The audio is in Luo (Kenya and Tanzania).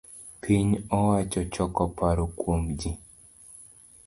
piny owacho choko paro kuom ji